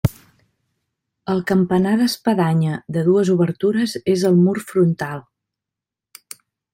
El campanar d'espadanya de dues obertures és al mur frontal.